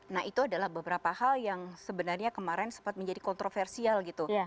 nah itu adalah beberapa hal yang sebenarnya kemarin sempat menjadi kontroversial gitu